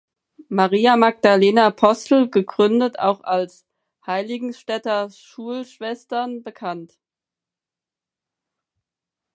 Maria Magdalena Postel gegründet, auch als "Heiligenstädter Schulschwestern" bekannt.